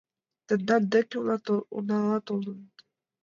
— Тендан деке уна толын.